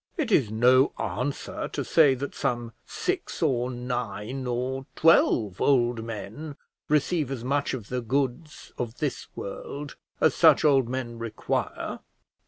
It is no answer to say that some six or nine or twelve old men receive as much of the goods of this world as such old men require.